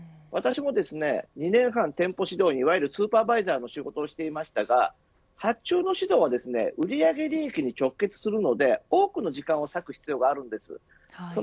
私も２年半、店舗指導員いわゆるスーパーバイザーの仕事をしていましたが発注の指導は売り上げ利益に直結するので多くの時間を割く必要があるんです。